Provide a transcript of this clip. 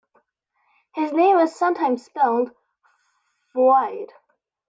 His name is sometimes spelled "Fouad".